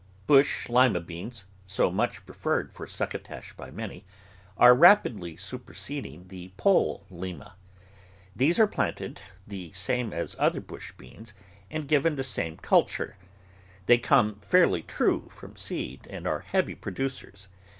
Bush Lima beans, so much preferred for succo tash by many, are rapidly superseding the pole THE VEGETABLE GARDEN Lima. These are planted the same as other bush beans and given the same culture. They come fairly true from seed and are heavy producers.